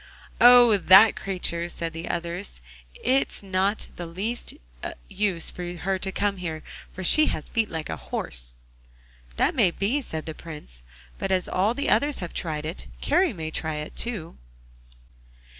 'Oh! that creature!' said the others; 'it's not the least use for her to come here, for she has feet like a horse!' 'That may be,' said the Prince, 'but as all the others have tried it, Kari may try it too.